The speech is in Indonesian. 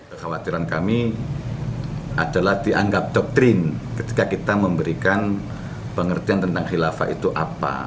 kekhawatiran kami adalah dianggap doktrin ketika kita memberikan pengertian tentang khilafah itu apa